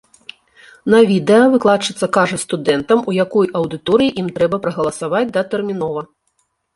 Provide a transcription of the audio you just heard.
На відэа выкладчыца кажа студэнтам, у якой аўдыторыі ім трэба прагаласаваць датэрмінова.